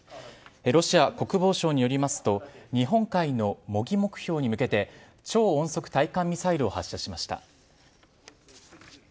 ロシア国防省によりますと、日本海の模擬目標に向けて、超音速対艦ミサイルを発射しました。